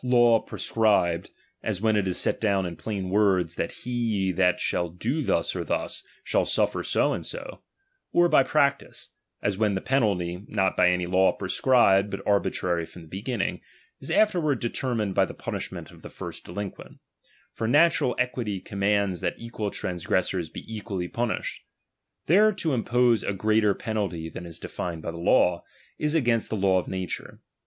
law prescribed, as when it is set down in plain '' words that he that shall do thus or thus, shall suffer so and so ; or by practice, as when the penalty, not by any law prescribed, but arbitrary from the beginning, is afterward determined by the punishment of the first delinquent ; (for natu ral equity commands that equal transgressors be equally punished) ; there to impose a greater pe nalty than is defined by the law, is against the law of nature.